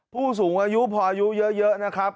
ผู้สูงอายุพออายุเยอะนะครับ